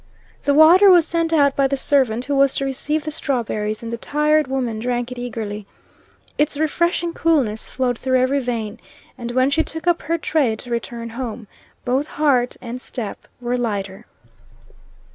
The water was sent out by the servant who was to receive the strawberries, and the tired woman drank it eagerly. Its refreshing coolness flowed through every vein, and when she took up her tray to return home, both heart and step were lighter.